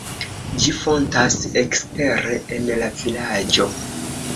Ĝi fontas ekstere en la vilaĝo.